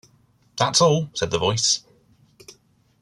"That's all," said the Voice.